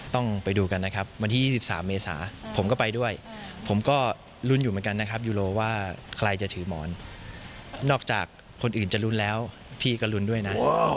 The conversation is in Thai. ต้องไปดูกันนะครับวันที่๒๓เมษาผมก็ไปด้วยผมก็ลุ้นอยู่เหมือนกันนะครับยูโรว่าใครจะถือหมอนนอกจากคนอื่นจะลุ้นแล้วพี่ก็ลุ้นด้วยนะ